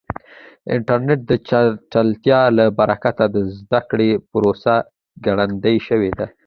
د انټرنیټ د چټکتیا له برکته د زده کړې پروسه ګړندۍ شوې ده.